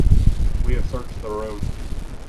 We have searched the room.